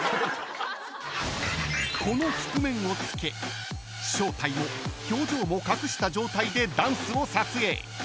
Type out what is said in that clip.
［この覆面を着け正体も表情も隠した状態でダンスを撮影］